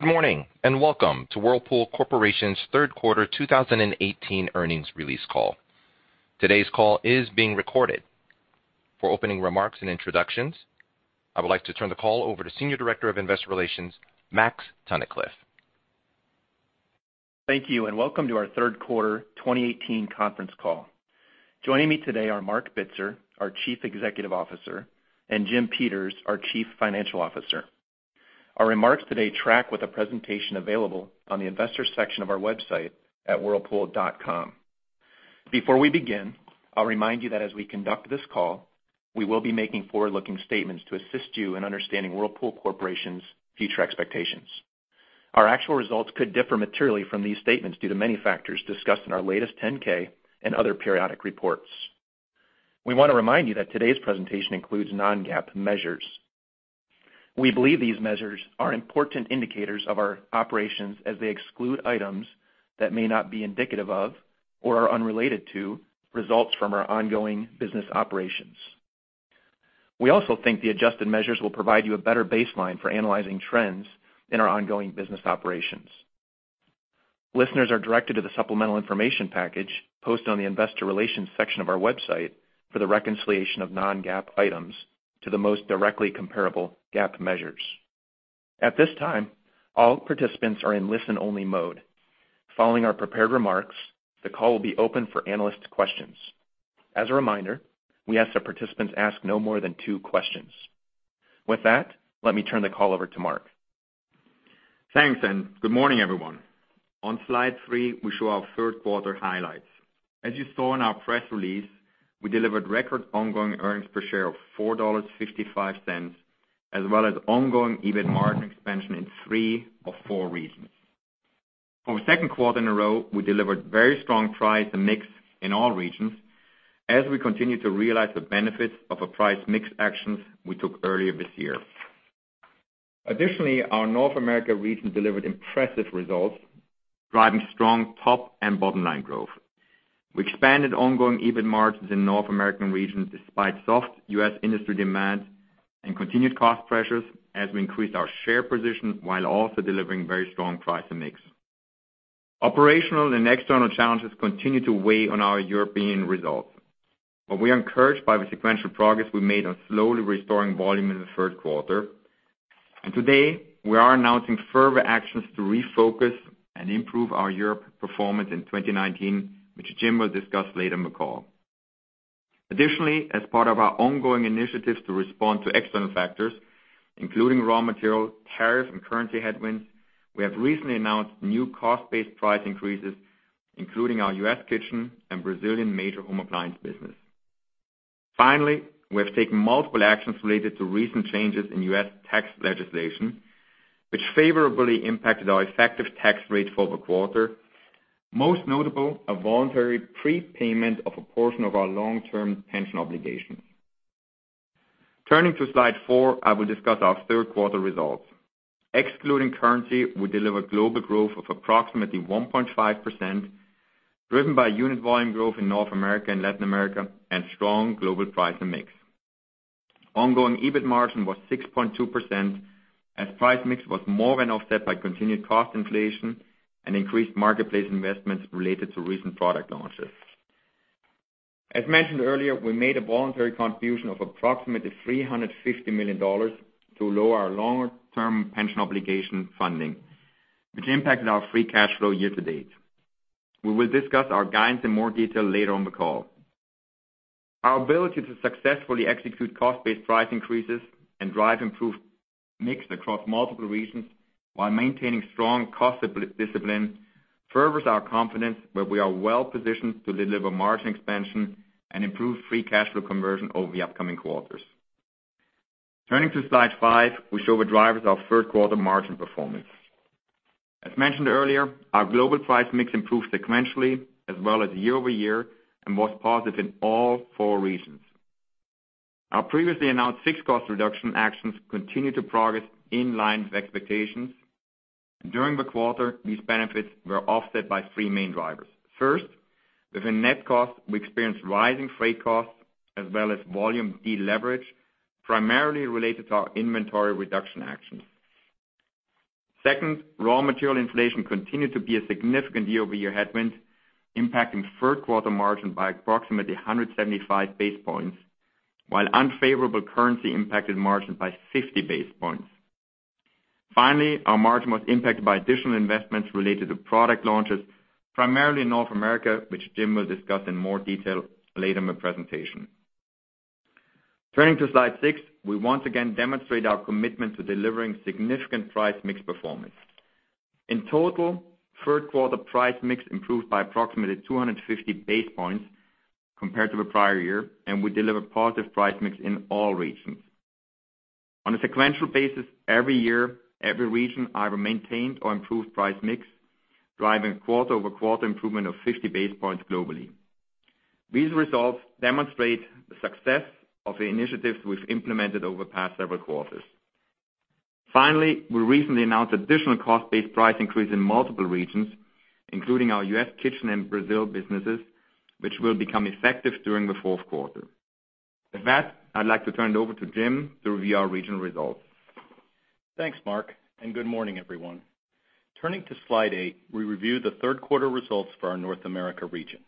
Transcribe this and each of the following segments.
Good morning. Welcome to Whirlpool Corporation's third quarter 2018 earnings release call. Today's call is being recorded. For opening remarks and introductions, I would like to turn the call over to Senior Director of Investor Relations, Max Tunnicliff. Thank you. Welcome to our third quarter 2018 conference call. Joining me today are Marc Bitzer, our Chief Executive Officer, and Jim Peters, our Chief Financial Officer. Our remarks today track with a presentation available on the investors section of our website at whirlpool.com. Before we begin, I will remind you that as we conduct this call, we will be making forward-looking statements to assist you in understanding Whirlpool Corporation's future expectations. Our actual results could differ materially from these statements due to many factors discussed in our latest 10-K and other periodic reports. We want to remind you that today's presentation includes non-GAAP measures. We believe these measures are important indicators of our operations as they exclude items that may not be indicative of or are unrelated to results from our ongoing business operations. We also think the adjusted measures will provide you a better baseline for analyzing trends in our ongoing business operations. Listeners are directed to the supplemental information package posted on the investor relations section of our website for the reconciliation of non-GAAP items to the most directly comparable GAAP measures. At this time, all participants are in listen-only mode. Following our prepared remarks, the call will be open for analyst questions. As a reminder, we ask that participants ask no more than two questions. With that, let me turn the call over to Mark. Thanks. Good morning, everyone. On slide three, we show our third quarter highlights. As you saw in our press release, we delivered record ongoing earnings per share of $4.55, as well as ongoing EBIT margin expansion in three of four regions. For the second quarter in a row, we delivered very strong price and mix in all regions as we continue to realize the benefits of the price mix actions we took earlier this year. Additionally, our North America region delivered impressive results, driving strong top and bottom-line growth. We expanded ongoing EBIT margins in North American region despite soft U.S. industry demand and continued cost pressures as we increased our share position while also delivering very strong price and mix. Operational and external challenges continue to weigh on our European results. We are encouraged by the sequential progress we made on slowly restoring volume in the third quarter. Today, we are announcing further actions to refocus and improve our Europe performance in 2019, which Jim will discuss later in the call. Additionally, as part of our ongoing initiatives to respond to external factors, including raw material, tariff, and currency headwinds, we have recently announced new cost-based price increases, including our U.S. kitchen and Brazilian major home appliance business. Finally, we have taken multiple actions related to recent changes in U.S. tax legislation, which favorably impacted our effective tax rate for the quarter, most notable, a voluntary prepayment of a portion of our long-term pension obligation. Turning to slide four, I will discuss our third quarter results. Excluding currency, we delivered global growth of approximately 1.5%, driven by unit volume growth in North America and Latin America, and strong global price and mix. Ongoing EBIT margin was 6.2%, as price mix was more than offset by continued cost inflation and increased marketplace investments related to recent product launches. As mentioned earlier, we made a voluntary contribution of approximately $350 million to lower our longer-term pension obligation funding, which impacted our free cash flow year-to-date. We will discuss our guidance in more detail later on the call. Our ability to successfully execute cost-based price increases and drive improved mix across multiple regions while maintaining strong cost discipline furthers our confidence that we are well-positioned to deliver margin expansion and improve free cash flow conversion over the upcoming quarters. Turning to slide five, we show the drivers of third quarter margin performance. As mentioned earlier, our global price mix improved sequentially as well as year-over-year and was positive in all four regions. Our previously announced six cost reduction actions continue to progress in line with expectations. During the quarter, these benefits were offset by three main drivers. First, within net cost, we experienced rising freight costs as well as volume deleverage, primarily related to our inventory reduction actions. Second, raw material inflation continued to be a significant year-over-year headwind, impacting third quarter margin by approximately 175 basis points, while unfavorable currency impacted margin by 50 basis points. Finally, our margin was impacted by additional investments related to product launches, primarily in North America, which Jim will discuss in more detail later in the presentation. Turning to slide six, we once again demonstrate our commitment to delivering significant price mix performance. In total, third-quarter price mix improved by approximately 250 basis points compared to the prior year, and we delivered positive price mix in all regions. On a sequential basis every year, every region either maintained or improved price mix, driving quarter-over-quarter improvement of 50 basis points globally. These results demonstrate the success of the initiatives we've implemented over the past several quarters. Finally, we recently announced additional cost-based price increase in multiple regions, including our U.S. kitchen and Brazil businesses, which will become effective during the fourth quarter. With that, I'd like to turn it over to Jim to review our regional results. Thanks, Marc, and good morning, everyone. Turning to slide eight, we review the third quarter results for our North America region.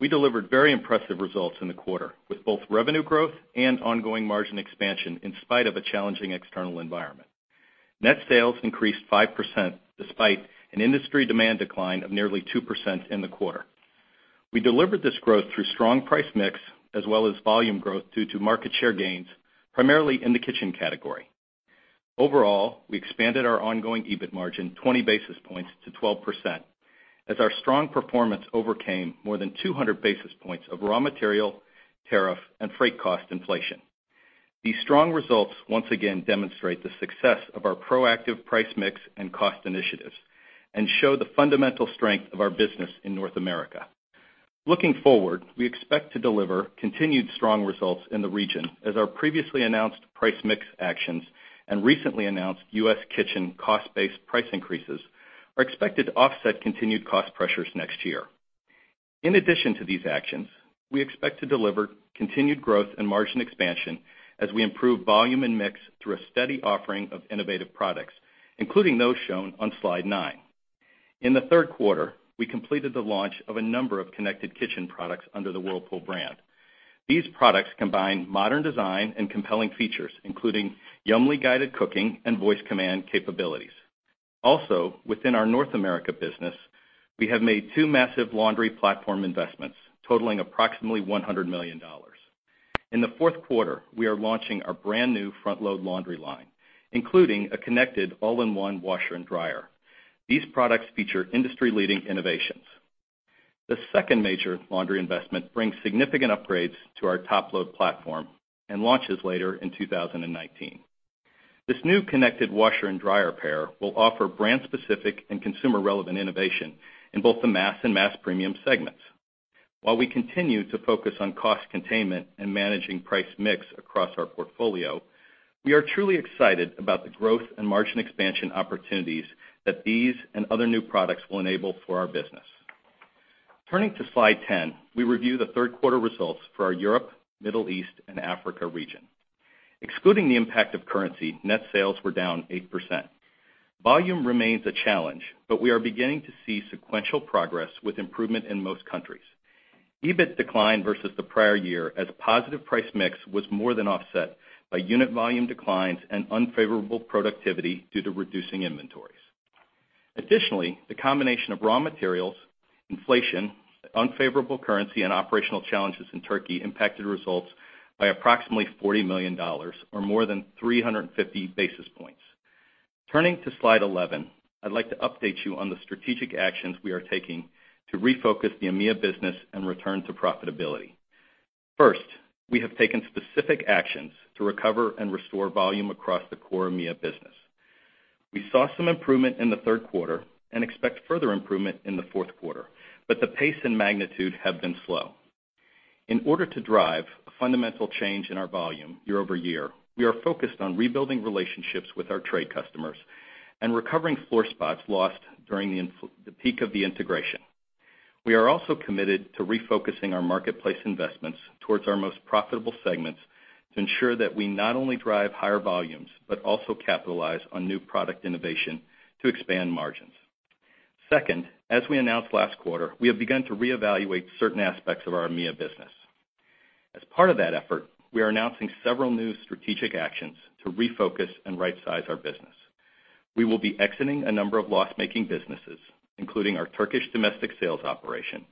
We delivered very impressive results in the quarter, with both revenue growth and ongoing margin expansion in spite of a challenging external environment. Net sales increased 5% despite an industry demand decline of nearly 2% in the quarter. We delivered this growth through strong price mix as well as volume growth due to market share gains, primarily in the kitchen category. Overall, we expanded our ongoing EBIT margin 20 basis points to 12%, as our strong performance overcame more than 200 basis points of raw material, tariff, and freight cost inflation. These strong results once again demonstrate the success of our proactive price mix and cost initiatives and show the fundamental strength of our business in North America. Looking forward, we expect to deliver continued strong results in the region as our previously announced price mix actions and recently announced U.S. kitchen cost-based price increases are expected to offset continued cost pressures next year. In addition to these actions, we expect to deliver continued growth and margin expansion as we improve volume and mix through a steady offering of innovative products, including those shown on slide nine. In the third quarter, we completed the launch of a number of connected kitchen products under the Whirlpool brand. These products combine modern design and compelling features, including Yummly-guided cooking and voice command capabilities. Also, within our North America business, we have made two massive laundry platform investments totaling approximately $100 million. In the fourth quarter, we are launching our brand-new front-load laundry line, including a connected all-in-one washer and dryer. These products feature industry-leading innovations. The second major laundry investment brings significant upgrades to our top-load platform and launches later in 2019. This new connected washer and dryer pair will offer brand-specific and consumer-relevant innovation in both the mass and mass premium segments. While we continue to focus on cost containment and managing price mix across our portfolio, we are truly excited about the growth and margin expansion opportunities that these and other new products will enable for our business. Turning to slide 10, we review the third quarter results for our Europe, Middle East, and Africa region. Excluding the impact of currency, net sales were down 8%. Volume remains a challenge, but we are beginning to see sequential progress with improvement in most countries. EBIT declined versus the prior year as a positive price mix was more than offset by unit volume declines and unfavorable productivity due to reducing inventories. Additionally, the combination of raw materials, inflation, unfavorable currency, and operational challenges in Turkey impacted results by approximately $40 million, or more than 350 basis points. Turning to slide 11, I'd like to update you on the strategic actions we are taking to refocus the EMEA business and return to profitability. First, we have taken specific actions to recover and restore volume across the core EMEA business. We saw some improvement in the third quarter and expect further improvement in the fourth quarter, but the pace and magnitude have been slow. In order to drive a fundamental change in our volume year-over-year, we are focused on rebuilding relationships with our trade customers and recovering floor spots lost during the peak of the integration. We are also committed to refocusing our marketplace investments towards our most profitable segments to ensure that we not only drive higher volumes, but also capitalize on new product innovation to expand margins. Second, as we announced last quarter, we have begun to reevaluate certain aspects of our EMEA business. As part of that effort, we are announcing several new strategic actions to refocus and rightsize our business. We will be exiting a number of loss-making businesses, including our Turkish domestic sales operation,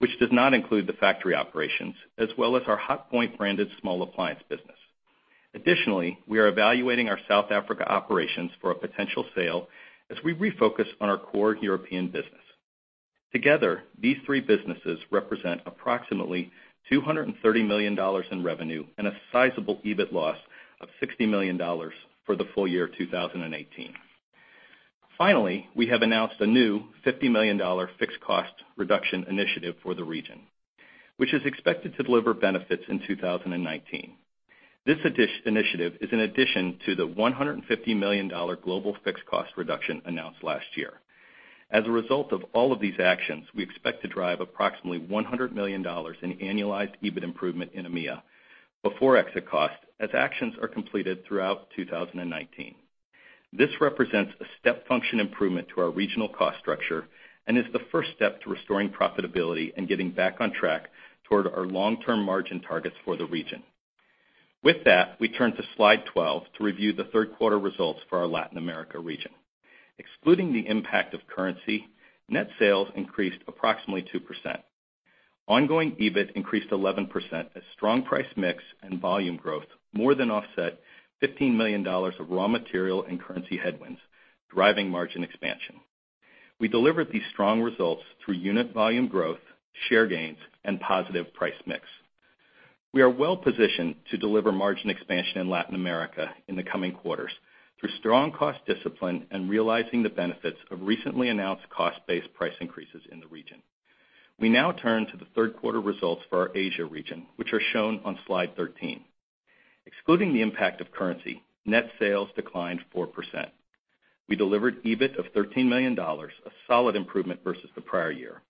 which does not include the factory operations, as well as our Hotpoint-branded small appliance business. Additionally, we are evaluating our South Africa operations for a potential sale as we refocus on our core European business. Together, these three businesses represent approximately $230 million in revenue and a sizable EBIT loss of $60 million for the full year 2018. Finally, we have announced a new $50 million fixed cost reduction initiative for the region, which is expected to deliver benefits in 2019. This initiative is in addition to the $150 million global fixed cost reduction announced last year. As a result of all of these actions, we expect to drive approximately $100 million in annualized EBIT improvement in EMEA before exit cost as actions are completed throughout 2019. This represents a step function improvement to our regional cost structure and is the first step to restoring profitability and getting back on track toward our long-term margin targets for the region. With that, we turn to slide 12 to review the third quarter results for our Latin America region. Excluding the impact of currency, net sales increased approximately 2%. Ongoing EBIT increased 11% as strong price mix and volume growth more than offset $15 million of raw material and currency headwinds, driving margin expansion. We delivered these strong results through unit volume growth, share gains, and positive price mix. We are well-positioned to deliver margin expansion in Latin America in the coming quarters through strong cost discipline and realizing the benefits of recently announced cost-based price increases in the region. We now turn to the third quarter results for our Asia region, which are shown on slide 13. Excluding the impact of currency, net sales declined 4%. We delivered EBIT of $13 million, a solid improvement versus the prior year.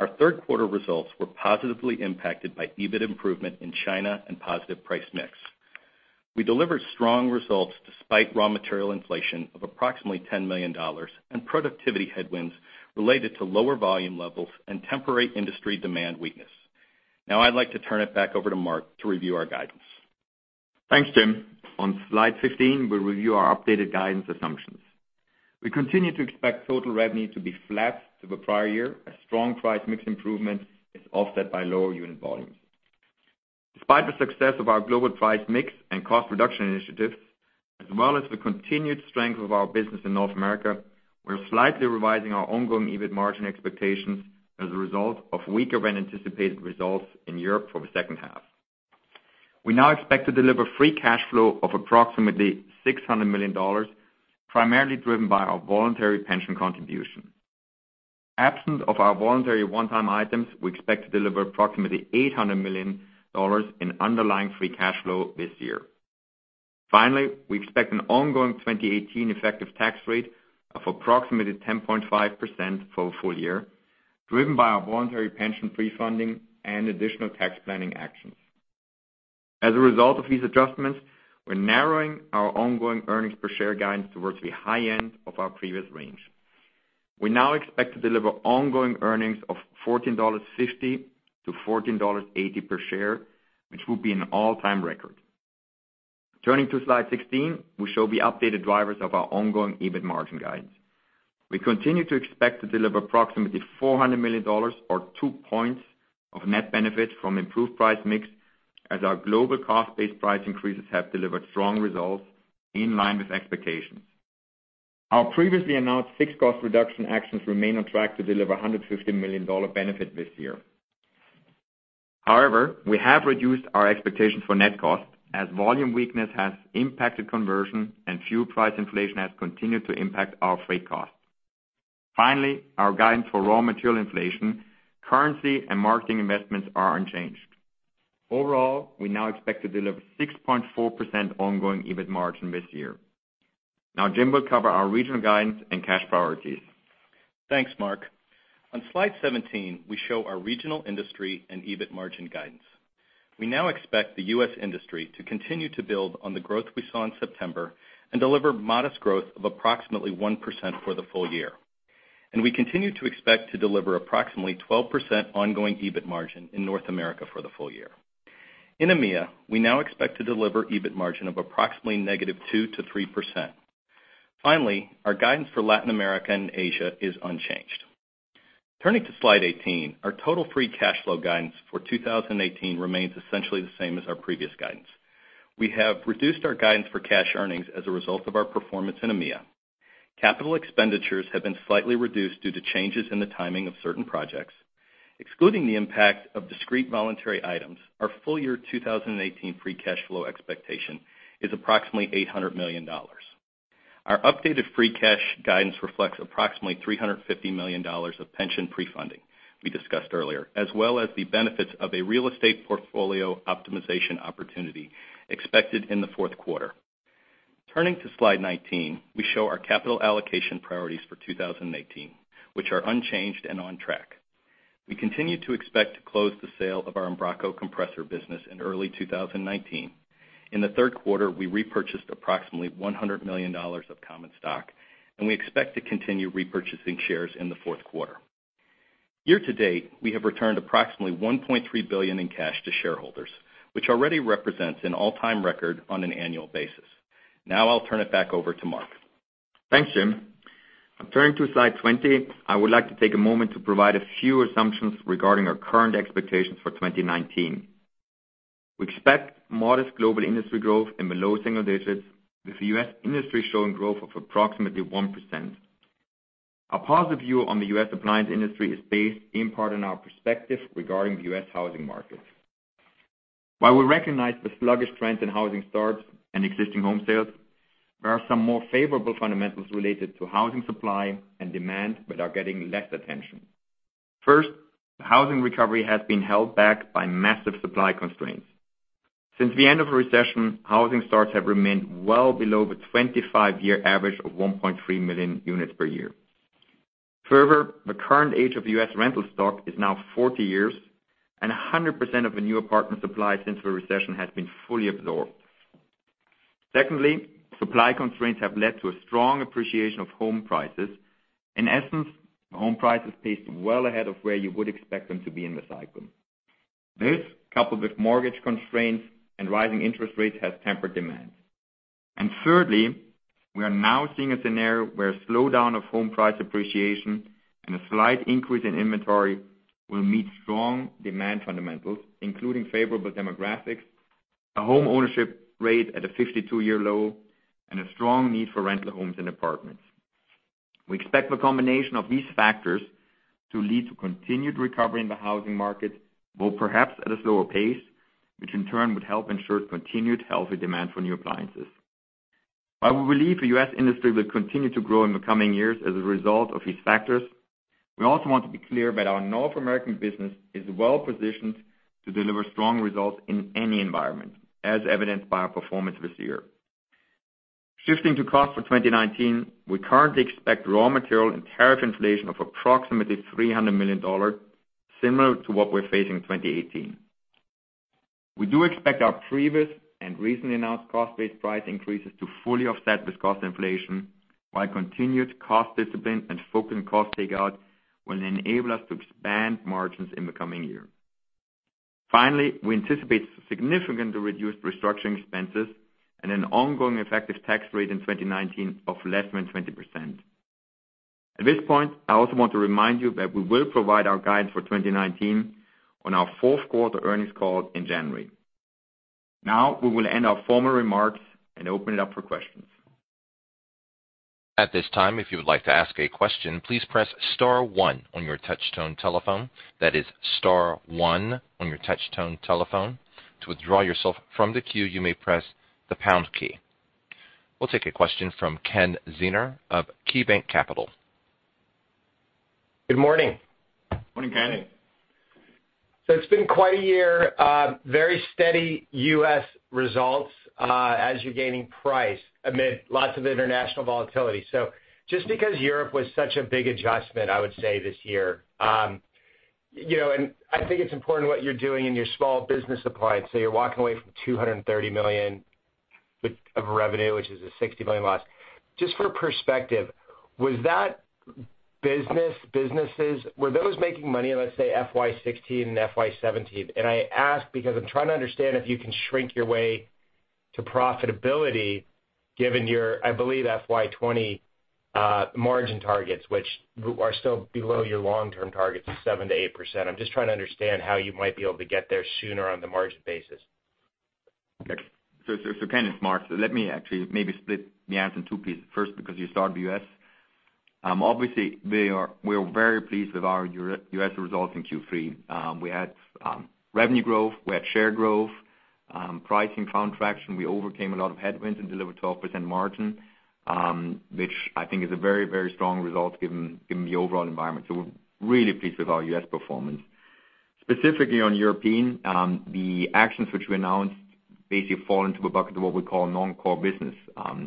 Our third quarter results were positively impacted by EBIT improvement in China and positive price mix. We delivered strong results despite raw material inflation of approximately $10 million and productivity headwinds related to lower volume levels and temporary industry demand weakness. Now I'd like to turn it back over to Marc to review our guidance. Thanks, Jim. On slide 15, we're reviewing our updated guidance assumptions. We continue to expect total revenue to be flat to the prior year, as strong price mix improvement is offset by lower unit volumes. Despite the success of our global price mix and cost reduction initiatives, as well as the continued strength of our business in North America, we are slightly revising our ongoing EBIT margin expectations as a result of weaker than anticipated results in Europe for the second half. We now expect to deliver free cash flow of approximately $600 million, primarily driven by our voluntary pension contribution. Absent of our voluntary one-time items, we expect to deliver approximately $800 million in underlying free cash flow this year. Finally, we expect an ongoing 2018 effective tax rate of approximately 10.5% for the full year, driven by our voluntary pension pre-funding and additional tax planning actions. As a result of these adjustments, we're narrowing our ongoing earnings per share guidance towards the high end of our previous range. We now expect to deliver ongoing earnings of $14.50 to $14.80 per share, which will be an all-time record. Turning to slide 16, we show the updated drivers of our ongoing EBIT margin guidance. We continue to expect to deliver approximately $400 million or two points of net benefit from improved price mix, as our global cost-based price increases have delivered strong results in line with expectations. Our previously announced six cost reduction actions remain on track to deliver $150 million benefit this year. However, we have reduced our expectation for net cost as volume weakness has impacted conversion and fuel price inflation has continued to impact our freight costs. Finally, our guidance for raw material inflation, currency, and marketing investments are unchanged. Overall, we now expect to deliver 6.4% ongoing EBIT margin this year. Jim will cover our regional guidance and cash priorities. Thanks, Marc. On slide 17, we show our regional industry and EBIT margin guidance. We now expect the U.S. industry to continue to build on the growth we saw in September and deliver modest growth of approximately 1% for the full year. We continue to expect to deliver approximately 12% ongoing EBIT margin in North America for the full year. In EMEA, we now expect to deliver EBIT margin of approximately negative 2% to 3%. Finally, our guidance for Latin America and Asia is unchanged. Turning to slide 18, our total free cash flow guidance for 2018 remains essentially the same as our previous guidance. We have reduced our guidance for cash earnings as a result of our performance in EMEA. Capital expenditures have been slightly reduced due to changes in the timing of certain projects. Excluding the impact of discrete voluntary items, our full year 2018 free cash flow expectation is approximately $800 million. Our updated free cash guidance reflects approximately $350 million of pension pre-funding we discussed earlier, as well as the benefits of a real estate portfolio optimization opportunity expected in the fourth quarter. Turning to slide 19, we show our capital allocation priorities for 2018, which are unchanged and on track. We continue to expect to close the sale of our Embraco compressor business in early 2019. In the third quarter, we repurchased approximately $100 million of common stock, and we expect to continue repurchasing shares in the fourth quarter. Year to date, we have returned approximately $1.3 billion in cash to shareholders, which already represents an all-time record on an annual basis. Now I'll turn it back over to Marc. Thanks, Jim. Turning to slide 20, I would like to take a moment to provide a few assumptions regarding our current expectations for 2019. We expect modest global industry growth in the low single digits, with the U.S. industry showing growth of approximately 1%. Our positive view on the U.S. appliance industry is based in part on our perspective regarding the U.S. housing market. While we recognize the sluggish trends in housing starts and existing home sales, there are some more favorable fundamentals related to housing supply and demand that are getting less attention. First, the housing recovery has been held back by massive supply constraints. Since the end of the recession, housing starts have remained well below the 25-year average of 1.3 million units per year. Further, the current age of U.S. rental stock is now 40 years, and 100% of the new apartment supply since the recession has been fully absorbed. Secondly, supply constraints have led to a strong appreciation of home prices. In essence, home prices pacing well ahead of where you would expect them to be in this cycle. This, coupled with mortgage constraints and rising interest rates, has tempered demand. Thirdly, we are now seeing a scenario where a slowdown of home price appreciation and a slight increase in inventory will meet strong demand fundamentals, including favorable demographics, a homeownership rate at a 52-year low, and a strong need for rental homes and apartments. We expect the combination of these factors to lead to continued recovery in the housing market, while perhaps at a slower pace, which in turn would help ensure continued healthy demand for new appliances. While we believe the U.S. industry will continue to grow in the coming years as a result of these factors, we also want to be clear that our North American business is well-positioned to deliver strong results in any environment, as evidenced by our performance this year. Shifting to costs for 2019, we currently expect raw material and tariff inflation of approximately $300 million, similar to what we're facing in 2018. We do expect our previous and recently announced cost-based price increases to fully offset this cost inflation while continued cost discipline and focused cost takeout will enable us to expand margins in the coming year. Finally, we anticipate significantly reduced restructuring expenses and an ongoing effective tax rate in 2019 of less than 20%. At this point, I also want to remind you that we will provide our guidance for 2019 on our fourth quarter earnings call in January. We will end our formal remarks and open it up for questions. At this time, if you would like to ask a question, please press star one on your touch-tone telephone. That is star one on your touch-tone telephone. To withdraw yourself from the queue, you may press the pound key. We'll take a question from Ken Zener of KeyBanc Capital. Good morning. Morning, Ken. It's been quite a year. Very steady U.S. results as you're gaining price amid lots of international volatility. Just because Europe was such a big adjustment, I would say, this year. I think it's important what you're doing in your small business appliance. You're walking away from $230 million of revenue, which is a $60 million loss. Just for perspective, were those making money in, let's say, FY 2016 and FY 2017? I ask because I'm trying to understand if you can shrink your way to profitability given your, I believe, FY 2020 margin targets, which are still below your long-term targets of 7%-8%. I'm just trying to understand how you might be able to get there sooner on the margin basis. Okay. Ken, it's Mark. Let me actually maybe split the answer in two pieces. First, because you start with U.S. Obviously, we are very pleased with our U.S. results in Q3. We had revenue growth, we had share growth, pricing traction. We overcame a lot of headwinds and delivered 12% margin, which I think is a very strong result given the overall environment. We're really pleased with our U.S. performance. Specifically on European, the actions which we announced basically fall into a bucket of what we call non-core business.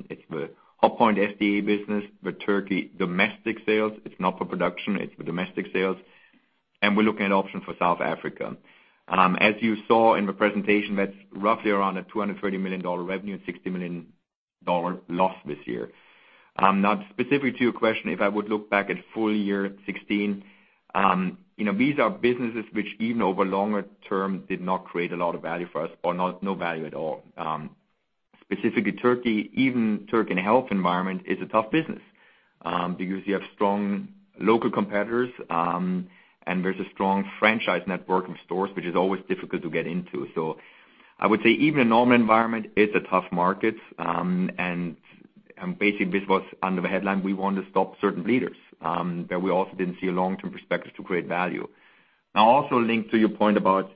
It's the Hotpoint SDA business, the Turkey domestic sales. It's not for production, it's for domestic sales. We're looking at options for South Africa. As you saw in the presentation, that's roughly around a $230 million revenue and $60 million loss this year. Specific to your question, if I would look back at full year 2016, these are businesses which even over longer term did not create a lot of value for us or no value at all. Specifically Turkey, even Turkey in healthy environment is a tough business, because you have strong local competitors, and there's a strong franchise network of stores, which is always difficult to get into. I would say even a normal environment, it's a tough market. Basically, this was under the headline, we want to stop certain bleeders. We also didn't see a long-term perspective to create value. Also linked to your point about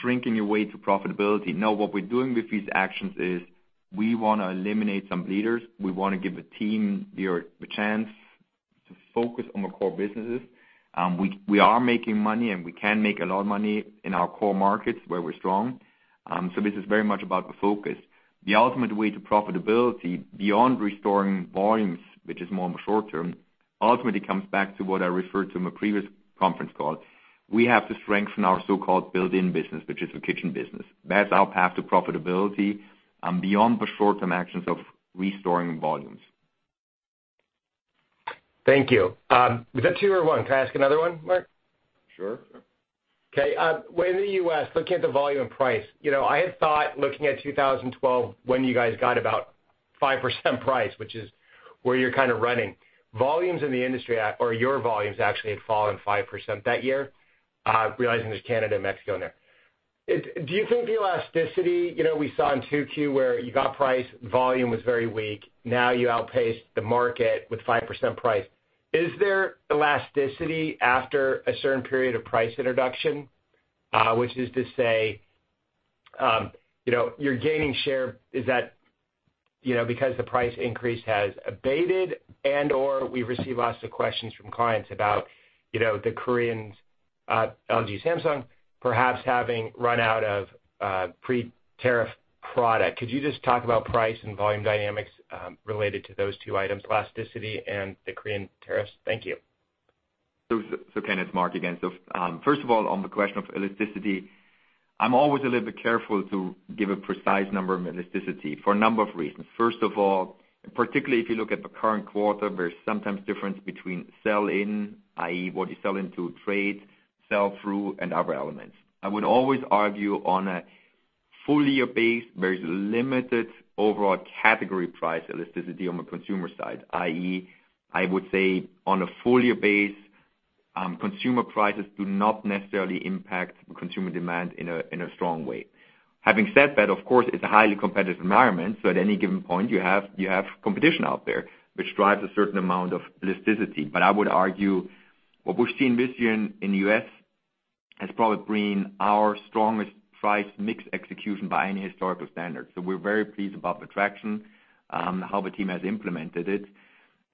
shrinking your way to profitability. What we're doing with these actions is we want to eliminate some bleeders. We want to give the team the chance to focus on the core businesses. We are making money, we can make a lot of money in our core markets where we're strong. This is very much about the focus. The ultimate way to profitability beyond restoring volumes, which is more in the short term, ultimately comes back to what I referred to in the previous conference call. We have to strengthen our so-called build-in business, which is the kitchen business. That's our path to profitability, beyond the short-term actions of restoring volumes. Thank you. Was that two or one? Can I ask another one, Marc? Sure. Within the U.S., looking at the volume and price. I had thought looking at 2012, when you guys got about 5% price, which is where you're kind of running. Volumes in the industry or your volumes actually had fallen 5% that year, realizing there's Canada and Mexico in there. Do you think the elasticity we saw in 2Q where you got price, volume was very weak, now you outpaced the market with 5% price. Is there elasticity after a certain period of price introduction? Which is to say, you're gaining share, is that because the price increase has abated and/or we receive lots of questions from clients about the Koreans, LG, Samsung, perhaps having run out of pre-tariff product. Could you just talk about price and volume dynamics related to those two items, elasticity and the Korean tariffs? Thank you. Ken, it's Marc again. First of all, on the question of elasticity, I'm always a little bit careful to give a precise number of elasticity for a number of reasons. First of all, particularly if you look at the current quarter, there's sometimes difference between sell in, i.e., what you sell into trade, sell through, and other elements. I would always argue on a full year base, there is limited overall category price elasticity on the consumer side, i.e., I would say on a full year base, consumer prices do not necessarily impact consumer demand in a strong way. Having said that, of course, it's a highly competitive environment, so at any given point you have competition out there, which drives a certain amount of elasticity. I would argue what we've seen this year in the U.S. has probably been our strongest price mix execution by any historical standard. We're very pleased about the traction, how the team has implemented it.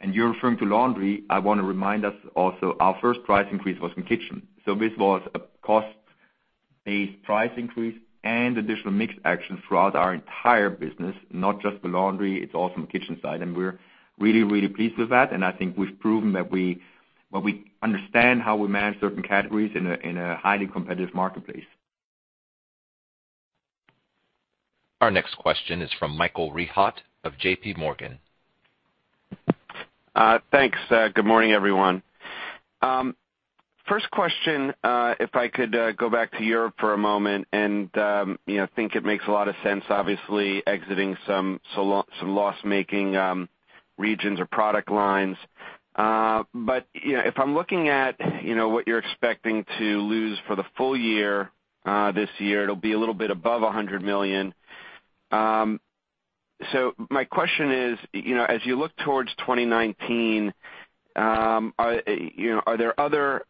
You're referring to laundry. I want to remind us also, our first price increase was in kitchen. This was a cost-based price increase and additional mix action throughout our entire business, not just the laundry, it's also on the kitchen side. We're really, really pleased with that, and I think we've proven that we understand how we manage certain categories in a highly competitive marketplace. Our next question is from Michael Rehaut of JPMorgan. Thanks. Good morning, everyone. First question, if I could go back to Europe for a moment, think it makes a lot of sense, obviously, exiting some loss-making regions or product lines. If I'm looking at what you're expecting to lose for the full year, this year, it'll be a little bit above $100 million. My question is, as you look towards 2019, are there other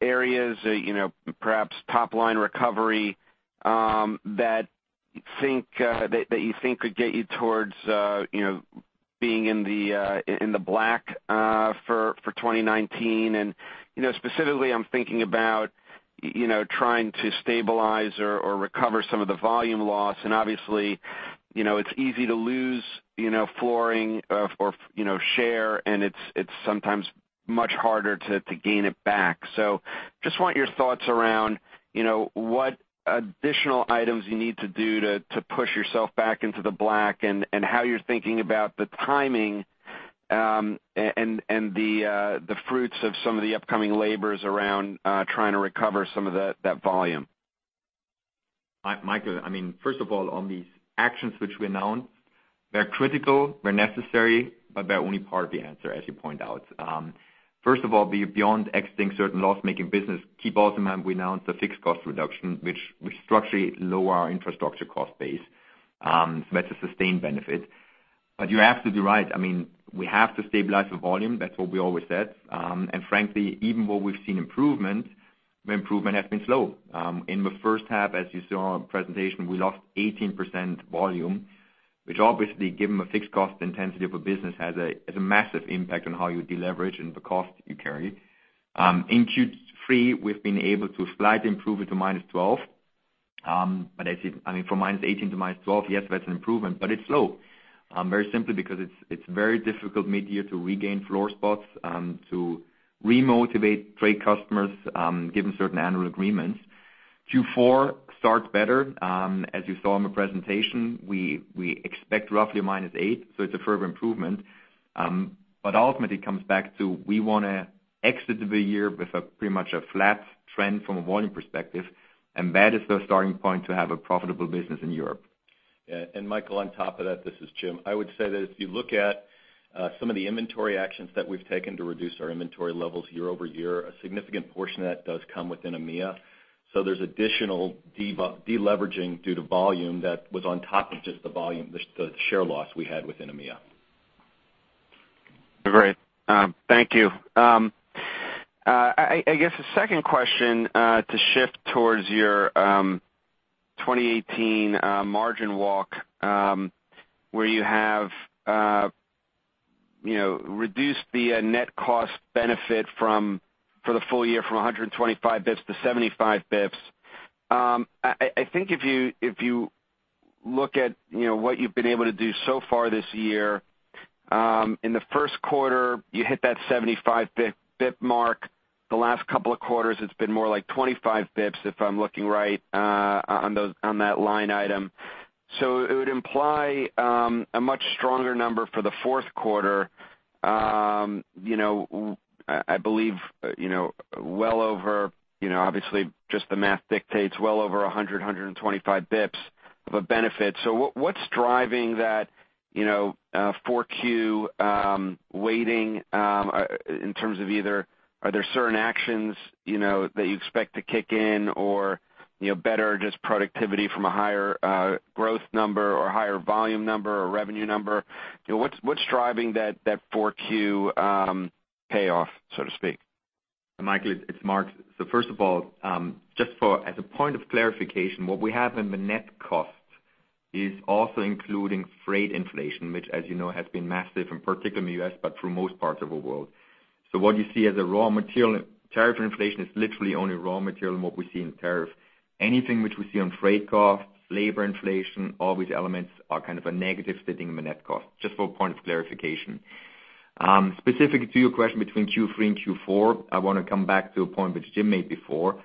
areas, perhaps top-line recovery, that you think could get you towards being in the black, for 2019? Specifically I'm thinking about trying to stabilize or recover some of the volume loss. Obviously, it's easy to lose flooring or share, and it's sometimes much harder to gain it back. I just want your thoughts around what additional items you need to do to push yourself back into the black and how you're thinking about the timing, and the fruits of some of the upcoming labors around trying to recover some of that volume. Michael, first of all, on these actions which we announced, they're critical, they're necessary, but they're only part of the answer, as you point out. First of all, beyond exiting certain loss-making business, key points to remember, we announced a fixed cost reduction, which structurally lower our infrastructure cost base. That's a sustained benefit. You're absolutely right. We have to stabilize the volume. That's what we always said. Frankly, even where we've seen improvement, the improvement has been slow. In the first half, as you saw in the presentation, we lost 18% volume, which obviously given the fixed cost intensity of a business has a massive impact on how you deleverage and the cost you carry. In Q3, we've been able to slightly improve it to -12%. I see, from -18% to -12%, yes, that's an improvement, but it's slow. Very simply because it's very difficult mid-year to regain floor spots, to re-motivate trade customers, given certain annual agreements. Q4 starts better. As you saw in the presentation, we expect roughly -8%, so it's a further improvement. Ultimately it comes back to, we want to exit the year with a pretty much a flat trend from a volume perspective, and that is the starting point to have a profitable business in Europe. Yeah. Michael, on top of that, this is Jim. I would say that if you look at some of the inventory actions that we've taken to reduce our inventory levels year-over-year, a significant portion of that does come within EMEA. There's additional deleveraging due to volume that was on top of just the volume, the share loss we had within EMEA. Great. Thank you. I guess a second question, to shift towards your 2018 margin walk, where you have reduced the net cost benefit for the full year from 125 basis points to 75 basis points. I think if you look at what you've been able to do so far this year, in the first quarter, you hit that 75 basis points mark. The last couple of quarters, it's been more like 25 basis points, if I'm looking right on that line item. It would imply a much stronger number for the fourth quarter. I believe, obviously just the math dictates well over 100, 125 basis points of a benefit. What's driving that 4Q weighting, in terms of either are there certain actions that you expect to kick in or better just productivity from a higher growth number or higher volume number or revenue number? What's driving that 4Q payoff, so to speak? Michael, it's Mark. First of all, just as a point of clarification, what we have in the net cost is also including freight inflation, which as you know has been massive and particularly in the U.S., but through most parts of the world. What you see as a raw material, tariff inflation is literally only raw material and what we see in tariff. Anything which we see on freight cost, labor inflation, all these elements are a negative sitting in the net cost, just for a point of clarification. Specific to your question between Q3 and Q4, I want to come back to a point which Jim made before.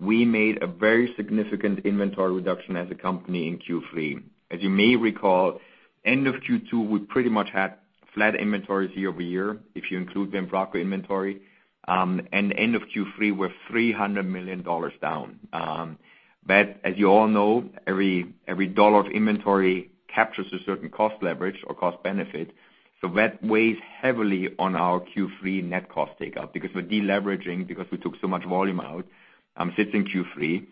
We made a very significant inventory reduction as a company in Q3. As you may recall, end of Q2, we pretty much had flat inventories year-over-year. If you include the inventory. End of Q3, we're $300 million down. As you all know, every dollar of inventory captures a certain cost leverage or cost benefit. That weighs heavily on our Q3 net cost take up because we're deleveraging because we took so much volume out, sits in Q3.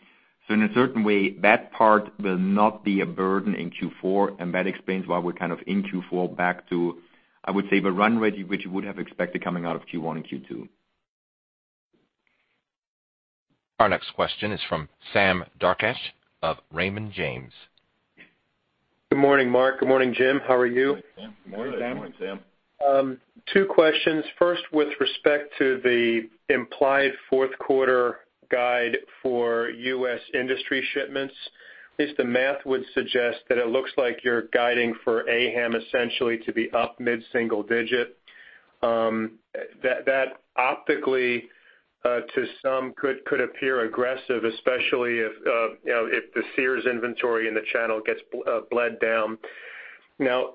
In a certain way, that part will not be a burden in Q4, and that explains why we're in Q4 back to, I would say, the run rate which you would have expected coming out of Q1 and Q2. Our next question is from Sam Darkatsh of Raymond James. Good morning, Marc. Good morning, James. How are you? Good, Sam. Good morning, Sam. Two questions. First, with respect to the implied fourth quarter guide for U.S. industry shipments, at least the math would suggest that it looks like you're guiding for AHAM essentially to be up mid-single digit. That optically, to some could appear aggressive, especially if the Sears inventory in the channel gets bled down. Now,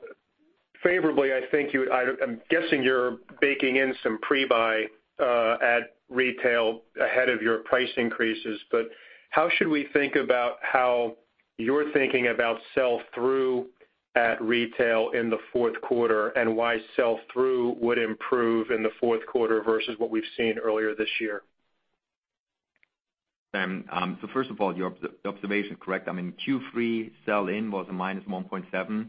favorably, I'm guessing you're baking in some pre-buy at retail ahead of your price increases, but how should we think about how you're thinking about sell-through at retail in the fourth quarter, and why sell-through would improve in the fourth quarter versus what we've seen earlier this year? Sam, first of all, your observation is correct. Q3 sell-in was a -1.7.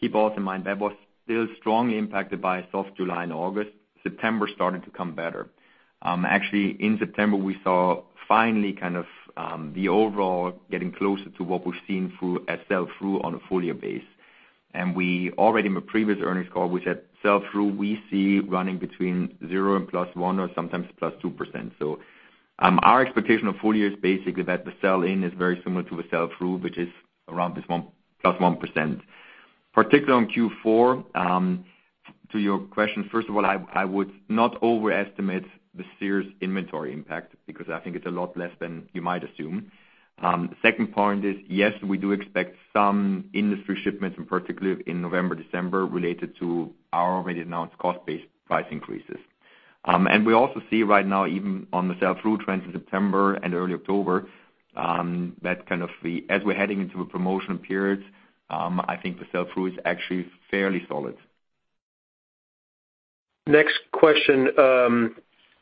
Keep also in mind, that was still strongly impacted by a soft July and August. September started to come better. Actually, in September, we saw finally the overall getting closer to what we've seen as sell-through on a full year base. Already in the previous earnings call, we said sell-through we see running between zero and +1 or sometimes +2%. Our expectation of full year is basically that the sell-in is very similar to the sell-through, which is around this +1%. Particularly on Q4, to your question, first of all, I would not overestimate the Sears inventory impact because I think it's a lot less than you might assume. Second point is, yes, we do expect some industry shipments, particularly in November, December, related to our already announced cost-based price increases. We also see right now even on the sell-through trends in September and early October, that as we're heading into a promotional period, I think the sell-through is actually fairly solid. Next question.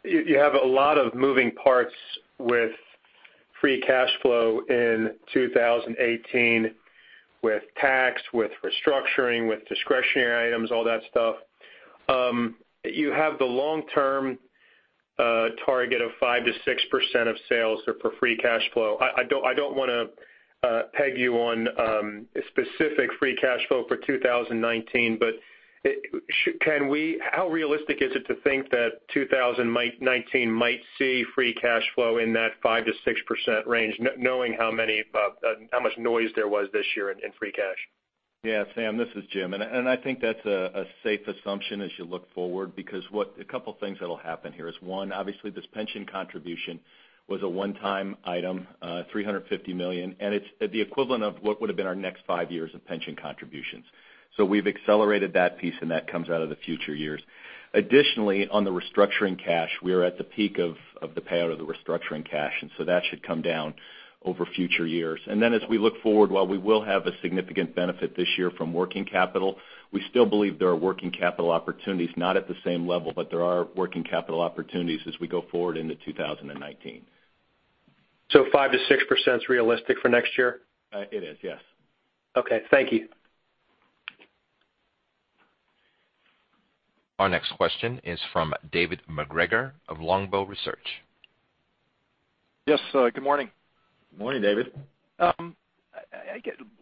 You have a lot of moving parts with free cash flow in 2018 with tax, with restructuring, with discretionary items, all that stuff. You have the long-term target of 5%-6% of sales are for free cash flow. I don't want to peg you on a specific free cash flow for 2019, but how realistic is it to think that 2019 might see free cash flow in that 5%-6% range, knowing how much noise there was this year in free cash? Sam, this is Jim, I think that's a safe assumption as you look forward because a couple things that'll happen here is one, obviously this pension contribution was a one-time item, $350 million, and it's the equivalent of what would've been our next five years of pension contributions. We've accelerated that piece and that comes out of the future years. Additionally, on the restructuring cash, we are at the peak of the payout of the restructuring cash, that should come down over future years. As we look forward, while we will have a significant benefit this year from working capital, we still believe there are working capital opportunities, not at the same level, but there are working capital opportunities as we go forward into 2019. 5%-6%'s realistic for next year? It is, yes. Okay. Thank you. Our next question is from David MacGregor of Longbow Research. Yes, good morning. Morning, David. A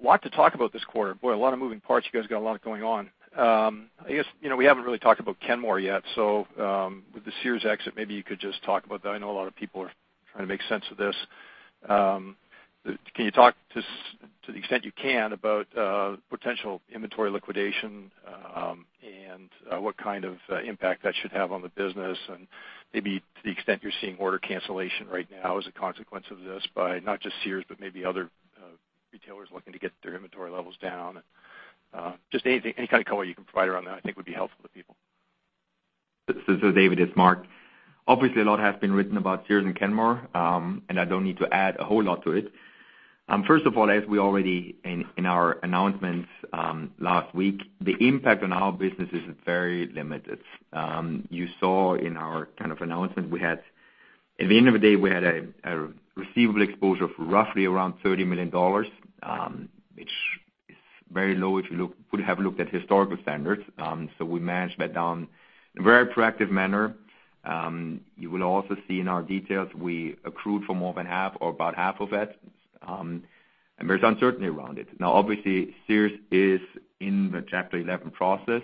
lot to talk about this quarter. Boy, a lot of moving parts. You guys got a lot going on. I guess we haven't really talked about Kenmore yet, with the Sears exit, maybe you could just talk about that. I know a lot of people are trying to make sense of this. Can you talk to the extent you can about potential inventory liquidation, and what kind of impact that should have on the business, and maybe to the extent you're seeing order cancellation right now as a consequence of this by not just Sears, but maybe other retailers looking to get their inventory levels down? Just any kind of color you can provide around that I think would be helpful to people. David, it's Marc. Obviously, a lot has been written about Sears and Kenmore, I don't need to add a whole lot to it. First of all, as we already in our announcements last week, the impact on our business is very limited. You saw in our announcement, at the end of the day, we had a receivable exposure of roughly around $30 million, which is very low if you would have looked at historical standards. We managed that down in a very proactive manner. You will also see in our details, we accrued for more than half or about half of it, there's uncertainty around it. Obviously, Sears is in the Chapter 11 process.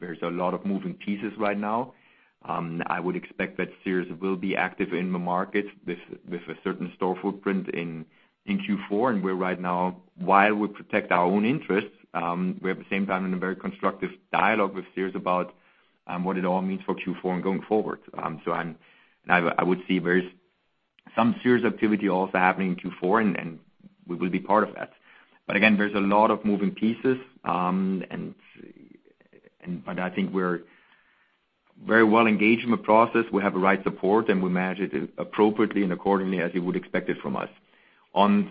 There's a lot of moving pieces right now. I would expect that Sears will be active in the market with a certain store footprint in Q4, we're right now, while we protect our own interests, we are at the same time in a very constructive dialogue with Sears about what it all means for Q4 and going forward. I would say there is some Sears activity also happening in Q4, we will be part of that. Again, there's a lot of moving pieces. I think we're very well engaged in the process. We have the right support, we manage it appropriately and accordingly as you would expect it from us.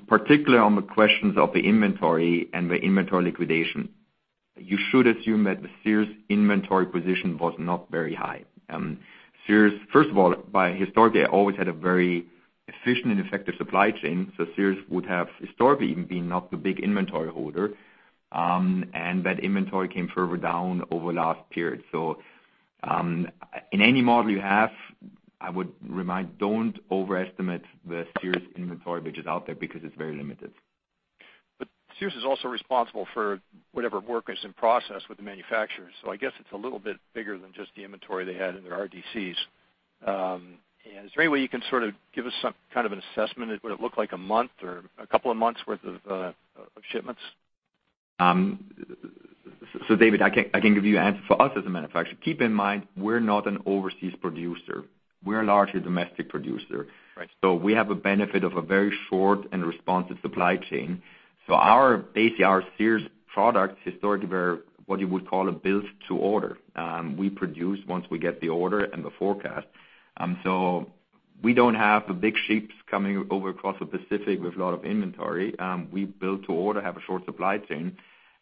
Particularly on the questions of the inventory and the inventory liquidation You should assume that the Sears inventory position was not very high. Sears, first of all, historically always had a very efficient and effective supply chain. Sears would have historically been not the big inventory holder. That inventory came further down over last period. In any model you have, I would remind, don't overestimate the Sears inventory, which is out there because it's very limited. Sears is also responsible for whatever work is in process with the manufacturers. I guess it's a little bit bigger than just the inventory they had in their RDCs. Is there any way you can sort of give us some kind of an assessment? Would it look like a month or a couple of months worth of shipments? David, I can give you an answer for us as a manufacturer. Keep in mind, we're not an overseas producer. We're a largely domestic producer. Right. We have a benefit of a very short and responsive supply chain. Basically, our Sears products historically were what you would call a built to order. We produce once we get the order and the forecast. We don't have the big ships coming over across the Pacific with a lot of inventory. We build to order, have a short supply chain,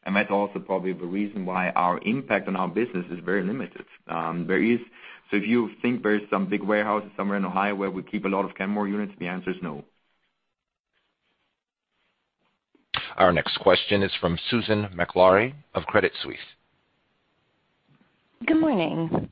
and that's also probably the reason why our impact on our business is very limited. If you think there's some big warehouses somewhere in Ohio where we keep a lot of Kenmore units, the answer is no. Our next question is from Susan Maklari of Credit Suisse. Good morning.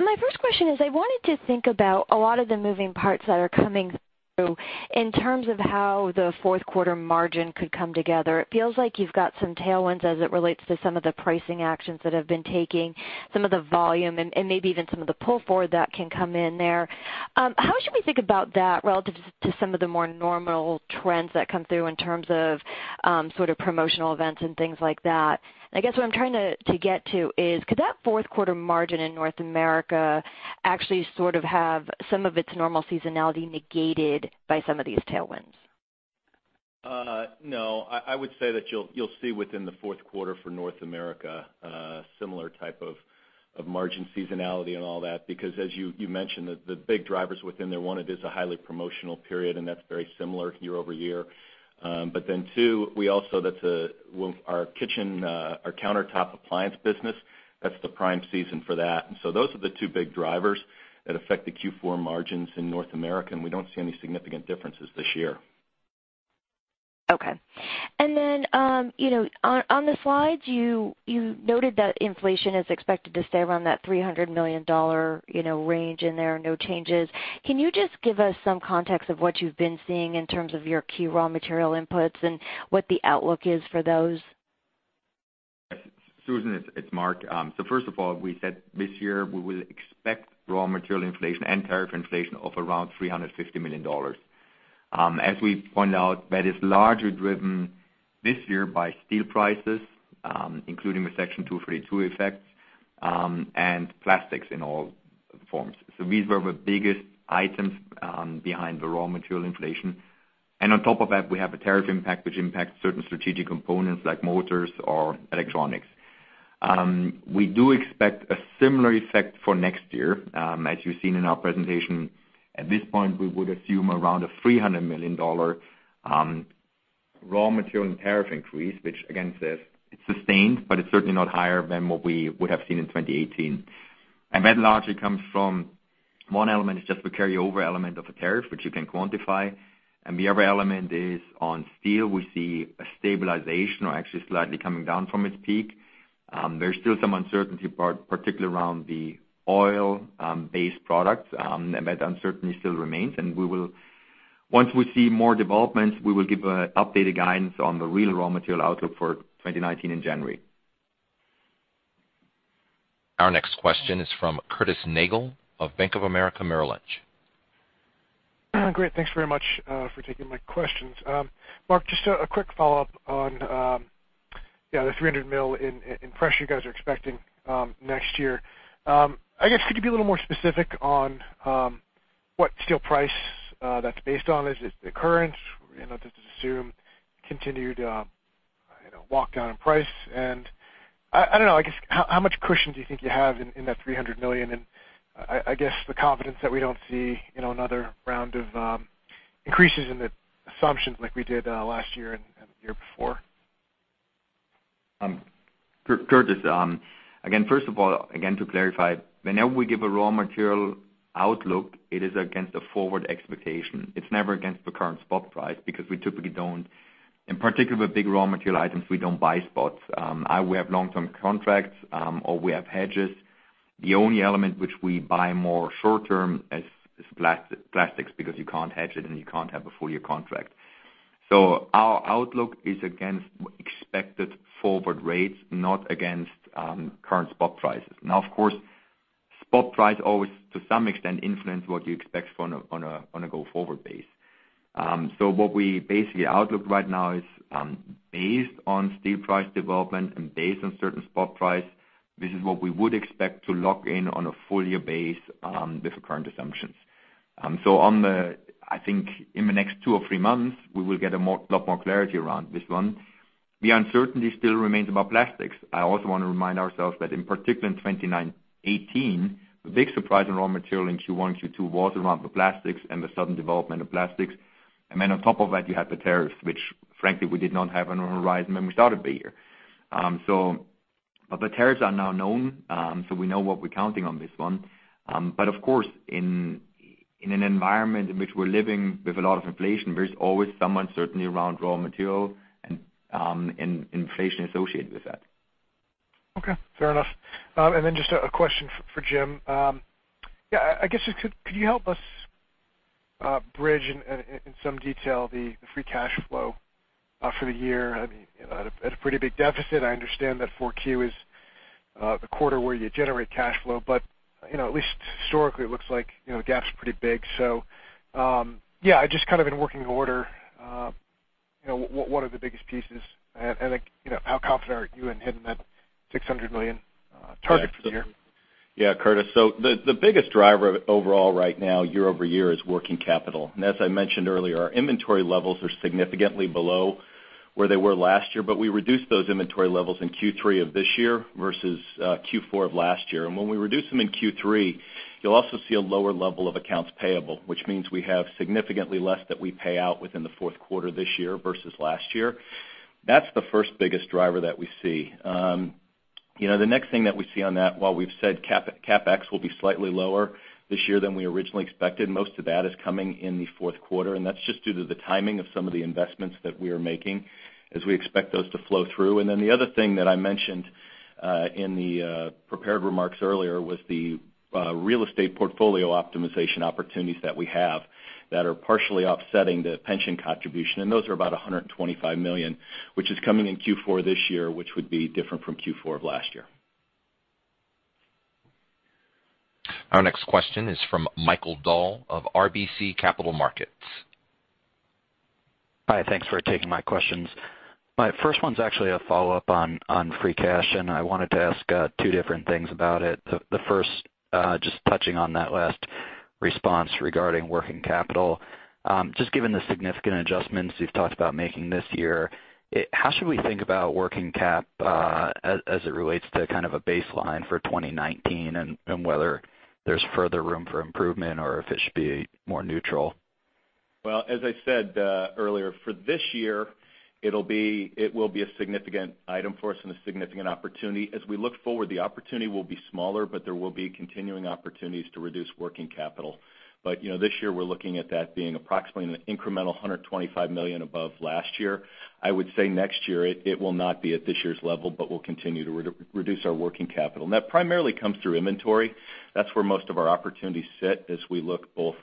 My first question is, I wanted to think about a lot of the moving parts that are coming through in terms of how the fourth quarter margin could come together. It feels like you've got some tailwinds as it relates to some of the pricing actions that have been taking, some of the volume and maybe even some of the pull forward that can come in there. How should we think about that relative to some of the more normal trends that come through in terms of sort of promotional events and things like that? I guess what I'm trying to get to is, could that fourth quarter margin in North America actually sort of have some of its normal seasonality negated by some of these tailwinds? No, I would say that you'll see within the fourth quarter for North America a similar type of margin seasonality and all that, because as you mentioned, the big drivers within there, one is it's a highly promotional period, and that's very similar year-over-year. 2, our kitchen, our countertop appliance business, that's the prime season for that. Those are the 2 big drivers that affect the Q4 margins in North America, and we don't see any significant differences this year. Okay. On the slides, you noted that inflation is expected to stay around that $300 million range in there, no changes. Can you just give us some context of what you've been seeing in terms of your key raw material inputs and what the outlook is for those? Susan, it's Marc. First of all, we said this year we will expect raw material inflation and tariff inflation of around $350 million. As we pointed out, that is largely driven this year by steel prices, including the Section 232 effects, and plastics in all forms. These were the biggest items behind the raw material inflation. On top of that, we have a tariff impact which impacts certain strategic components like motors or electronics. We do expect a similar effect for next year. As you've seen in our presentation, at this point, we would assume around a $300 million raw material and tariff increase, which again, says it's sustained, but it's certainly not higher than what we would have seen in 2018. That largely comes from one element is just the carryover element of a tariff, which you can quantify. The other element is on steel. We see a stabilization or actually slightly coming down from its peak. There's still some uncertainty, particularly around the oil-based products. That uncertainty still remains, and once we see more developments, we will give updated guidance on the real raw material outlook for 2019 in January. Our next question is from Curtis Nagle of Bank of America Merrill Lynch. Great. Thanks very much for taking my questions. Marc, just a quick follow-up on the $300 million in pressure you guys are expecting next year. I guess, could you be a little more specific on what steel price that's based on? Is it the current? Does it assume continued walk down in price? I don't know, I guess, how much cushion do you think you have in that $300 million? I guess the confidence that we don't see another round of increases in the assumptions like we did last year and the year before. Curtis, first of all, again, to clarify, whenever we give a raw material outlook, it is against a forward expectation. It's never against the current spot price because we typically don't, in particular with big raw material items, we don't buy spots. Either we have long-term contracts, or we have hedges. The only element which we buy more short-term is plastics because you can't hedge it, and you can't have a full-year contract. Our outlook is against expected forward rates, not against current spot prices. Of course, spot price always to some extent influence what you expect on a go-forward base. What we basically outlook right now is based on steel price development and based on certain spot price. This is what we would expect to lock in on a full-year base with the current assumptions. I think in the next two or three months, we will get a lot more clarity around this one. The uncertainty still remains about plastics. I also want to remind ourselves that in particular in 2019, the big surprise in raw material in Q1, Q2 was around the plastics and the sudden development of plastics. Then on top of that, you have the tariff, which frankly, we did not have on our horizon when we started the year. But the tariffs are now known, so we know what we're counting on this one. Of course, in an environment in which we're living with a lot of inflation, there's always some uncertainty around raw material and inflation associated with that. Okay, fair enough. Then just a question for Jim. I guess, could you help us bridge in some detail the free cash flow for the year? At a pretty big deficit, I understand that 4Q is the quarter where you generate cash flow, but at least historically, it looks like the gap's pretty big. Just kind of in working order, what are the biggest pieces? How confident are you in hitting that $600 million target for the year? Curtis. The biggest driver overall right now year-over-year is working capital. As I mentioned earlier, our inventory levels are significantly below where they were last year, but we reduced those inventory levels in Q3 of this year versus Q4 of last year. When we reduce them in Q3, you'll also see a lower level of accounts payable, which means we have significantly less that we pay out within the fourth quarter this year versus last year. That's the first biggest driver that we see. The next thing that we see on that, while we've said CapEx will be slightly lower this year than we originally expected, most of that is coming in the fourth quarter, and that's just due to the timing of some of the investments that we are making as we expect those to flow through. The other thing that I mentioned in the prepared remarks earlier was the real estate portfolio optimization opportunities that we have that are partially offsetting the pension contribution, and those are about $125 million, which is coming in Q4 this year, which would be different from Q4 of last year. Our next question is from Mike Dahl of RBC Capital Markets. Hi, thanks for taking my questions. My first one's actually a follow-up on free cash, and I wanted to ask two different things about it. The first, just touching on that last response regarding working capital. Given the significant adjustments you've talked about making this year, how should we think about working cap as it relates to kind of a baseline for 2019 and whether there's further room for improvement or if it should be more neutral? Well, as I said earlier, for this year, it will be a significant item for us and a significant opportunity. As we look forward, the opportunity will be smaller, but there will be continuing opportunities to reduce working capital. This year we're looking at that being approximately in the incremental $125 million above last year. I would say next year it will not be at this year's level, but we'll continue to reduce our working capital. That primarily comes through inventory. That's where most of our opportunities sit as we look both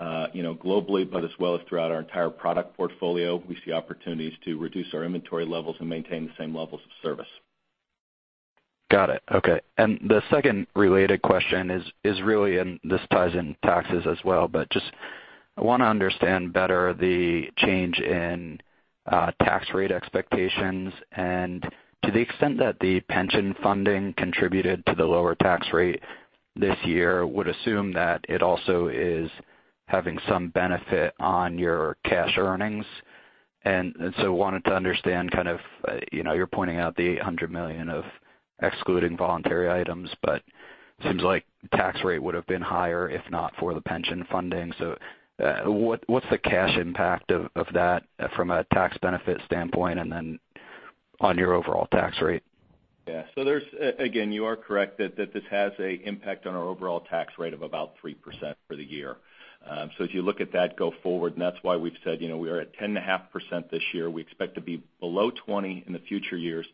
globally, but as well as throughout our entire product portfolio, we see opportunities to reduce our inventory levels and maintain the same levels of service. Got it. Okay. The second related question is really, and this ties in taxes as well, but just I want to understand better the change in tax rate expectations and to the extent that the pension funding contributed to the lower tax rate this year, would assume that it also is having some benefit on your cash earnings. Wanted to understand kind of, you're pointing out the $800 million of excluding voluntary items, but seems like tax rate would have been higher if not for the pension funding. What's the cash impact of that from a tax benefit standpoint and then on your overall tax rate? Yeah. Again, you are correct that this has an impact on our overall tax rate of about 3% for the year. If you look at that go forward, and that's why we've said we are at 10.5% this year. We expect to be below 20 in the future years,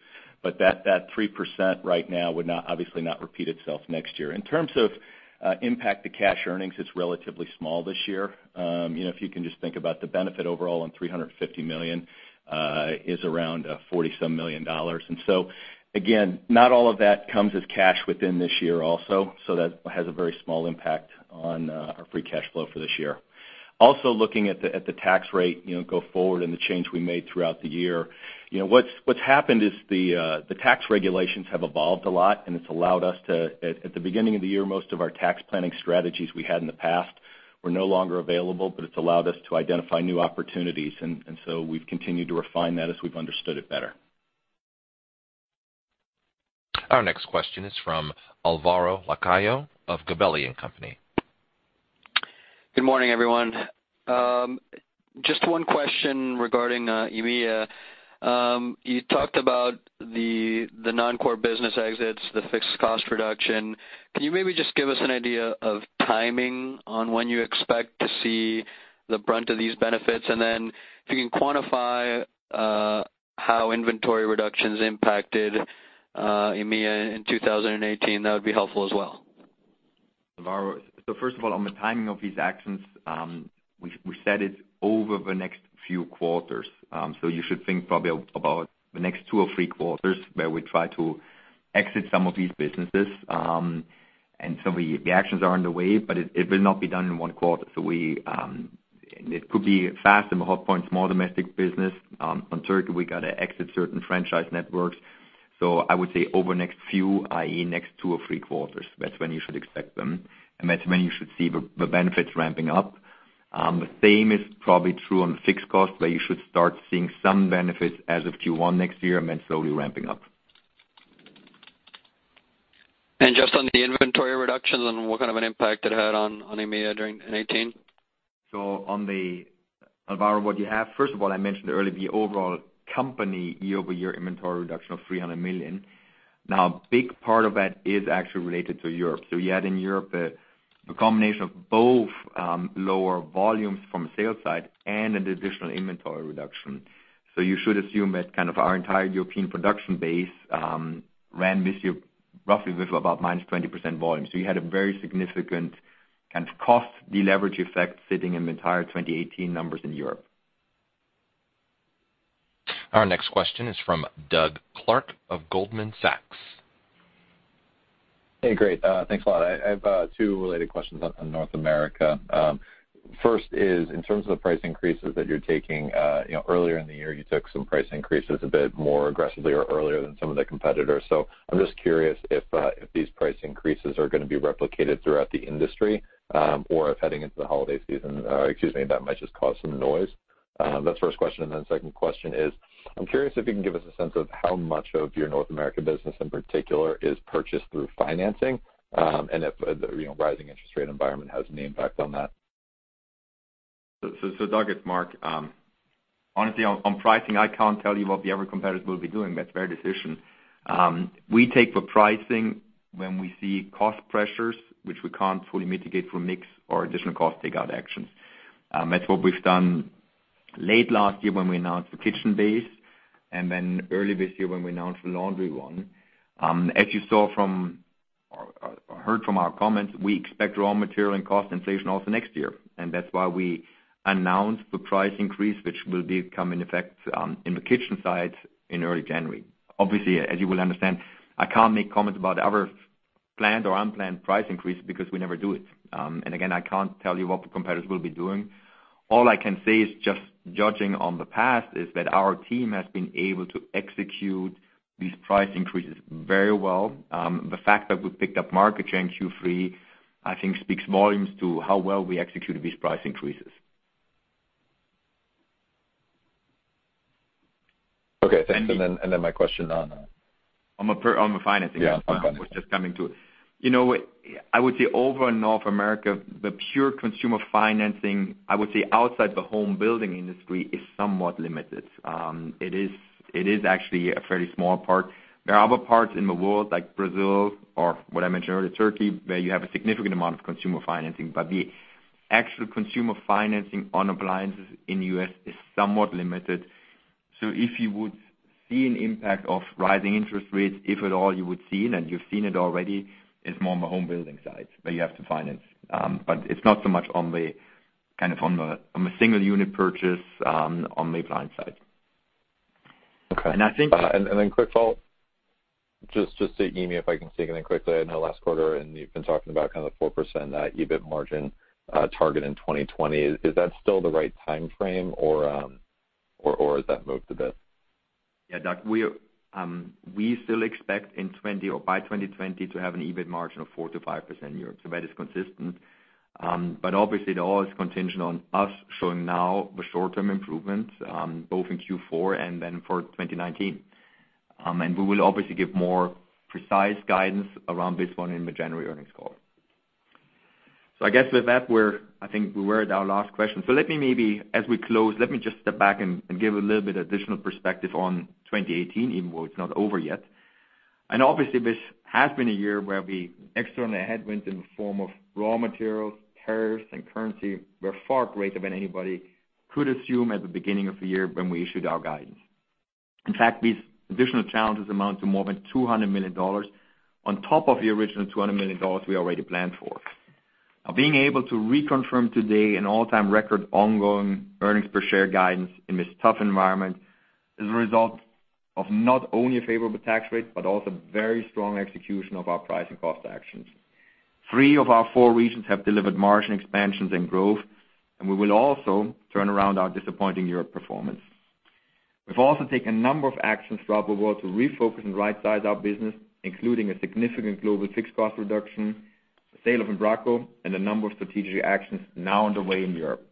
but that 3% right now would obviously not repeat itself next year. In terms of impact to cash earnings, it's relatively small this year. If you can just think about the benefit overall on $350 million is around $47 million. Again, not all of that comes as cash within this year also. That has a very small impact on our free cash flow for this year. Looking at the tax rate go forward and the change we made throughout the year. What's happened is the tax regulations have evolved a lot and it's allowed us to, at the beginning of the year, most of our tax planning strategies we had in the past were no longer available, but it's allowed us to identify new opportunities. We've continued to refine that as we've understood it better. Our next question is from Alvaro Lacayo of Gabelli & Company. Good morning, everyone. Just one question regarding EMEA. You talked about the non-core business exits, the fixed cost reduction. Can you maybe just give us an idea of timing on when you expect to see the brunt of these benefits? If you can quantify how inventory reductions impacted EMEA in 2018, that would be helpful as well. Alvaro, first of all, on the timing of these actions, we said it's over the next few quarters. You should think probably about the next two or three quarters where we try to exit some of these businesses. Some of the actions are on the way, but it will not be done in one quarter. It could be fast in the Hotpoint small domestic business. On Turkey, we got to exit certain franchise networks. I would say over the next few, i.e., next two or three quarters, that's when you should expect them. That's when you should see the benefits ramping up. The same is probably true on fixed cost, where you should start seeing some benefits as of Q1 next year slowly ramping up. Just on the inventory reductions and what kind of an impact it had on EMEA during 2018? Alvaro, what you have, first of all, I mentioned earlier the overall company year-over-year inventory reduction of $300 million. Now, a big part of that is actually related to Europe. You had in Europe a combination of both lower volumes from the sales side and an additional inventory reduction. You should assume that kind of our entire European production base ran roughly with about -20% volume. You had a very significant kind of cost deleverage effect sitting in the entire 2018 numbers in Europe. Our next question is from Doug Clark of Goldman Sachs. Hey, great. Thanks a lot. I have two related questions on North America. First is, in terms of the price increases that you're taking, earlier in the year you took some price increases a bit more aggressively or earlier than some of the competitors. I'm just curious if these price increases are going to be replicated throughout the industry, or if heading into the holiday season, excuse me, that might just cause some noise. That's the first question. The second question is, I'm curious if you can give us a sense of how much of your North American business in particular is purchased through financing, and if the rising interest rate environment has any impact on that. Doug, it's Marc. Honestly, on pricing, I can't tell you what the other competitors will be doing. That's their decision. We take the pricing when we see cost pressures, which we can't fully mitigate through mix or additional cost takeout actions. That's what we've done late last year when we announced the kitchen base. Early this year when we announced the laundry one. As you saw from or heard from our comments, we expect raw material and cost inflation also next year, and that's why we announced the price increase, which will be coming into effect in the kitchen side in early January. Obviously, as you will understand, I can't make comments about other planned or unplanned price increases because we never do it. Again, I can't tell you what the competitors will be doing. All I can say is just judging on the past is that our team has been able to execute these price increases very well. The fact that we picked up market share in Q3, I think speaks volumes to how well we executed these price increases. Okay, thanks. Then my question on On the financing Yeah, on financing I was just coming to it. I would say over in North America, the pure consumer financing, I would say outside the home building industry is somewhat limited. It is actually a fairly small part. There are other parts in the world like Brazil or what I mentioned earlier, Turkey, where you have a significant amount of consumer financing, but the actual consumer financing on appliances in the U.S. is somewhat limited. If you would see an impact of rising interest rates, if at all you would see it, and you've seen it already, it's more on the home building side, where you have to finance. It's not so much on the single-unit purchase on the appliance side. Okay. And I think- Quick follow-up, just to EMEA, if I can sneak it in quickly. I know last quarter, you've been talking about kind of the 4% EBIT margin target in 2020. Is that still the right timeframe or has that moved a bit? Yeah, Doug, we still expect in 2020 or by 2020 to have an EBIT margin of 4% to 5% year. That is consistent. Obviously it all is contingent on us showing now the short-term improvements, both in Q4 and then for 2019. We will obviously give more precise guidance around this one in the January earnings call. I guess with that, I think we were at our last question. Let me maybe, as we close, let me just step back and give a little bit additional perspective on 2018, even though it's not over yet. Obviously, this has been a year where the external headwinds in the form of raw materials, tariffs, and currency were far greater than anybody could assume at the beginning of the year when we issued our guidance. In fact, these additional challenges amount to more than $200 million on top of the original $200 million we already planned for. Now, being able to reconfirm today an all-time record ongoing earnings per share guidance in this tough environment is a result of not only a favorable tax rate, but also very strong execution of our price and cost actions. Three of our four regions have delivered margin expansions and growth. We will also turn around our disappointing Europe performance. We've also taken a number of actions throughout the world to refocus and rightsize our business, including a significant global fixed cost reduction, the sale of Embraco, and a number of strategic actions now underway in Europe.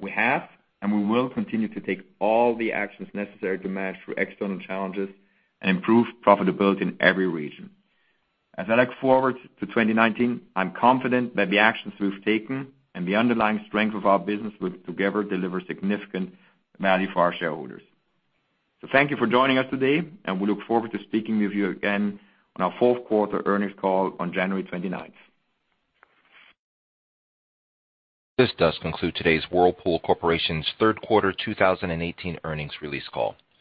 We have, and we will continue to take all the actions necessary to manage through external challenges and improve profitability in every region. As I look forward to 2019, I'm confident that the actions we've taken and the underlying strength of our business will together deliver significant value for our shareholders. Thank you for joining us today, and we look forward to speaking with you again on our fourth quarter earnings call on January 29th. This does conclude today's Whirlpool Corporation's third quarter 2018 earnings release call.